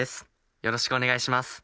よろしくお願いします！